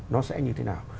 nó sẽ như thế nào